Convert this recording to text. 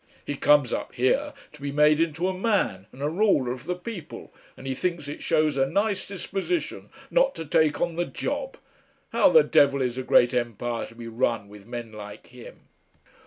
He comes up here to be made into a man and a ruler of the people, and he thinks it shows a nice disposition not to take on the job! How the Devil is a great Empire to be run with men like him?"